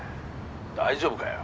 大丈夫かよ。